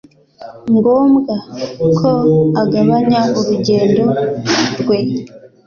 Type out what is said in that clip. ngombwa ko agabanya urugendo rwe